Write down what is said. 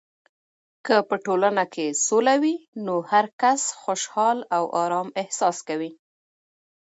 که په ټولنه کې سوله وي، نو هرکس خوشحال او ارام احساس کوي.